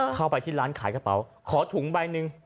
เข้าไปที่ร้านขายกระเป๋าขอถุงใบหนึ่ง